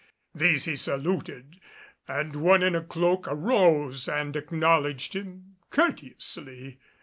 These he saluted, and one in a cloak arose and acknowledged him courteously.